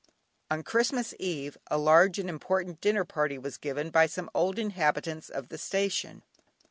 On Christmas eve a large and important dinner party was given by some old inhabitants of the station.